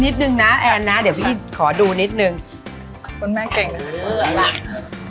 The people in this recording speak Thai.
ตักลงมอบใหญ่เลยค่ะ